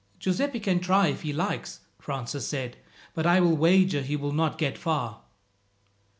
"Giuseppi can try if he likes," Francis said, "but I will wager he will not get far."